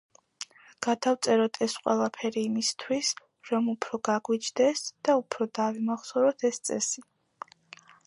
გადავწეროთ, ეს ყველაფერი იმისთვის, რომ უფრო გაგვიჯდეს და უფრო დავიმახსოვროთ ეს წესი.